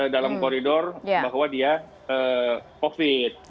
dalam koridor bahwa covid